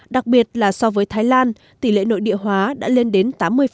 đặc biệt là so với thái lan tỷ lệ nội địa hóa đã lên đến tám mươi